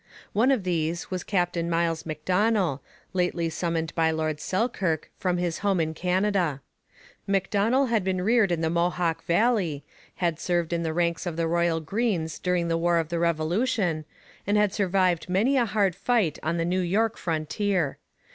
One of these was Captain Miles Macdonell, lately summoned by Lord Selkirk from his home in Canada. Macdonell had been reared in the Mohawk valley, had served in the ranks of the Royal Greens during the War of the Revolution, and had survived many a hard fight on the New York frontier.